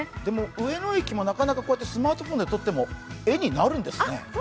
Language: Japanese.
上野駅もなかなかスマートフォンで撮っても絵になるんですね。